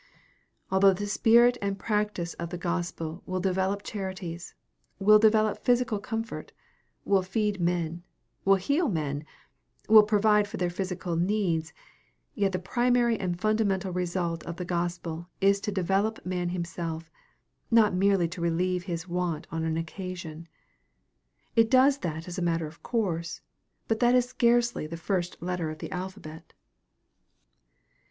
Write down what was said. Although the spirit and practice of the gospel will develop charities, will develop physical comfort, will feed men, will heal men, will provide for their physical needs, yet the primary and fundamental result of the gospel is to develop man himself, not merely to relieve his want on an occasion. It does that as a matter of course, but that is scarcely the first letter of the alphabet.